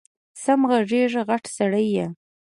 سم غږېږه غټ سړی یې